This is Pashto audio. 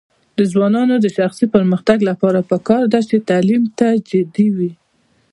د ځوانانو د شخصي پرمختګ لپاره پکار ده چې تعلیم ته جدي وي.